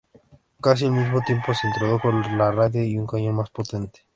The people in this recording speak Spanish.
Casi al mismo tiempo se introdujo la radio y un cañón más potente.